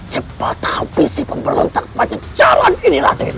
cepat habisi pemberontak panjang jalan ini raden